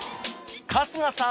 春日さん